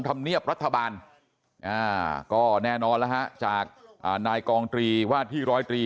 ธรรมเนียบรัฐบาลก็แน่นอนหละฮะจากนายกองตรีว่าที่